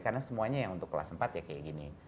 karena semuanya yang untuk kelas empat ya kayak gini